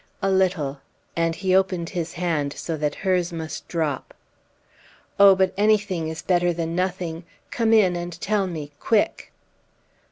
"A little." And he opened his hand so that hers must drop. "Oh, but anything is better than nothing! Come in and tell me quick!"